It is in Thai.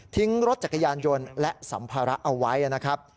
รถจักรยานยนต์และสัมภาระเอาไว้นะครับ